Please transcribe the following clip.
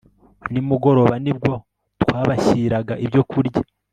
nimugoroba nibwo twabashyiraga ibyo kurya